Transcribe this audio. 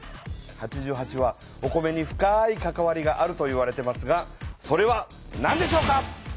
「八十八」はお米に深い関わりがあるといわれていますがそれはなんでしょうか？